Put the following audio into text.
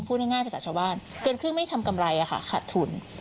พูดง่ายภาษาชาวบ้านเกินครึ่งไม่ทำกำไรขาดทุน